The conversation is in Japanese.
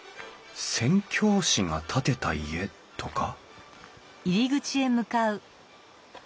宣教師が建てた家とか？